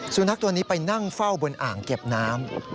สุนัขตัวนี้ไปนั่งเฝ้าบนอ่างเก็บน้ำ